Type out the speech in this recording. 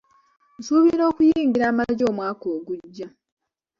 Nsuubira okuyingira amagye omwaka ogujja .